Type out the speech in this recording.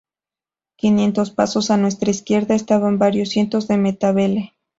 Quinientos pasos a nuestra izquierda estaban varios cientos de matabele.